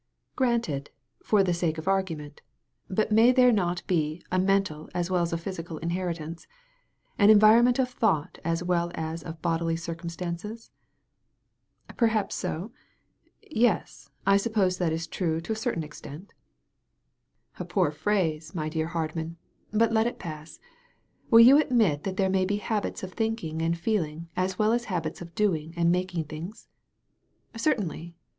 "Granted, for the sake of argument. But may there not be a mental as well as a physical inheri tance, an environment of thought as well as of bodily circumstances ?" "Perhaps so. Yes, I suppose that is true to a certain extent." 190 A CLASSIC INSTANCE A poor phrase, my dear Hardman; but let it pass. Will you admit that there may be habits of thinking and feeling as well as habits of doing and making things?" "Certainly."